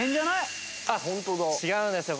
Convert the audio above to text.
違うんですよ。